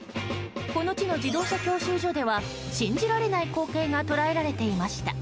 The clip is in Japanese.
この地の自動車教習所では信じられない光景が捉えられていました。